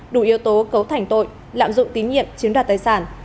đủ yếu tố cấu thành tội lạm dụng tín nhiệm chiếm đoạt tài sản